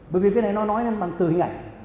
bởi vì cái này nó nói lên bằng từ hình ảnh